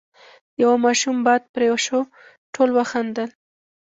، د يوه ماشوم باد پرې شو، ټولو وخندل،